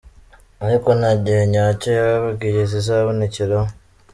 Ariko nta gihe nyacyo yababwiye zizabonekeraho.